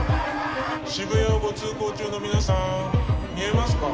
渋谷をご通行中の皆さん見えますか？